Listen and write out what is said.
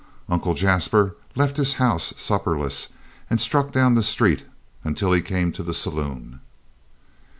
Uncle Jasper left his house supperless, and struck down the street until he came to the saloon.